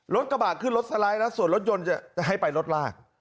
รถกระบะขึ้นรถสไลด์แล้วส่วนรถยนต์จะให้ไปรถลาก